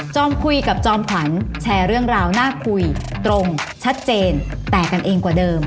คุยกับจอมขวัญแชร์เรื่องราวน่าคุยตรงชัดเจนแตกกันเองกว่าเดิม